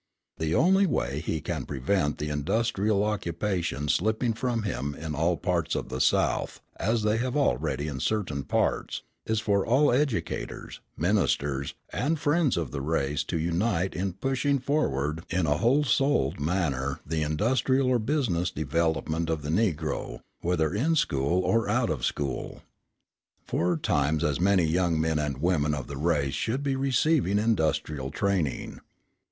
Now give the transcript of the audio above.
The only way he can prevent the industrial occupations slipping from him in all parts of the South, as they have already in certain parts, is for all educators, ministers, and friends of the race to unite in pushing forward in a whole souled manner the industrial or business development of the Negro, whether in school or out of school. Four times as many young men and women of the race should be receiving industrial training.